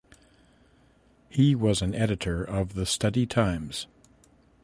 He was an editor of the "Study Times".